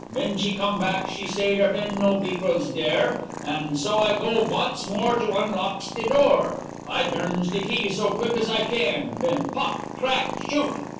Ven she come back she say der bin no beeples dere, and so I go vonce more to unlocks de door. I durns de key so quick as I can, ven pop! crack! shoot!